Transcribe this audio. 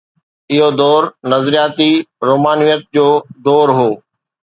اهو دور نظرياتي رومانويت جو دور هو.